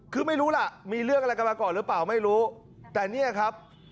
คือไม่รู้ล่ะมีเรื่องอะไรกันมาก่อนหรือเปล่าไม่รู้แต่เนี่ยครับ